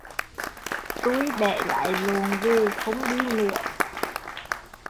Tui bẻ lái lộn về không đi nữa